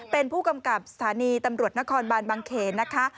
เป็นผู้กำกับสถานีตำรวจนครบานบางเขนนะคะ